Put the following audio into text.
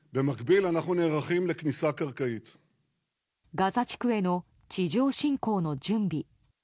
ガザ地区への地上侵攻の準備。